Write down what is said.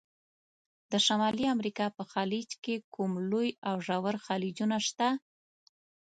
د شمالي امریکا په خلیج کې کوم لوی او ژور خلیجونه شته؟